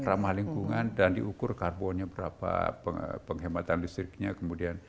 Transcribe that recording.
ramah lingkungan dan diukur karbonnya berapa penghematan listriknya kemudian